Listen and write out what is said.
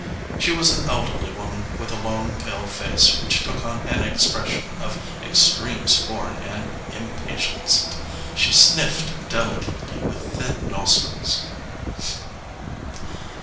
She was an elderly woman, with a long, pale face which took on an expression of extreme scorn and im patience. She sniffed delicately with thin nos trils.